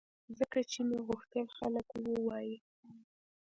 ځکه چې مې غوښتل خلک ووایي